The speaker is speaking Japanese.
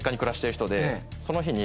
その日に。